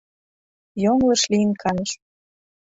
Йоҥылыш лийын кайыш.